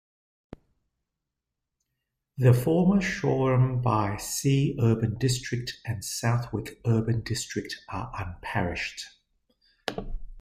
The former Shoreham by Sea Urban District and Southwick Urban District are unparished.